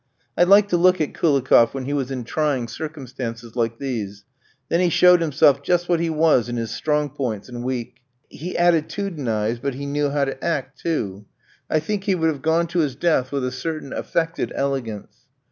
I liked to look at Koulikoff when he was in trying circumstances like these; then he showed himself just what he was in his strong points and weak. He attitudinised, but he knew how to act, too. I think he would have gone to his death with a certain affected elegance.